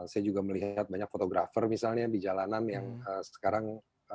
saya juga melihat banyak fotografer misalnya di jalanan yang sekarang